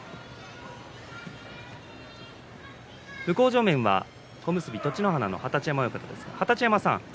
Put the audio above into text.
向正面は小結栃乃花の二十山さんです。